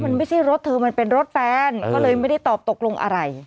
มันไม่ใช่รถเธอมันเป็นรถแฟนก็เลยไม่ได้ตอบตกลงอะไร